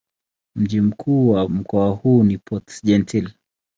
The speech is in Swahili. Mji mkuu wa mkoa huu ni Port-Gentil.